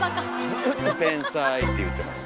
ずっと「天才」って言ってます